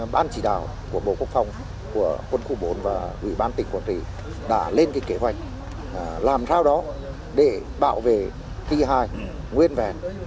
bán chỉ đào của bộ quốc phòng của quân khu bốn và quỹ ban tỉnh quảng trị đã lên kế hoạch làm sao đó để bảo vệ t hai nguyên vẹn